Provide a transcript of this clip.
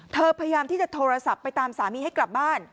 พยายามที่จะโทรศัพท์ไปตามสามีให้กลับบ้าน